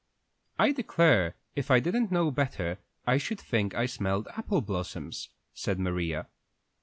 "I declare, if I didn't know better, I should think I smelled apple blossoms," said Maria.